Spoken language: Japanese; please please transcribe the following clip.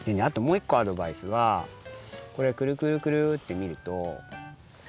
あともう１こアドバイスはこれクルクルクルってみると。